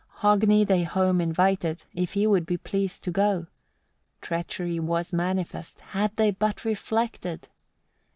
7. Hogni they home invited, if he would be pleased to go. Treachery was manifest, had they but reflected!